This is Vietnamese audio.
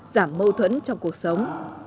giảm mâu thuẫn trong cuộc sống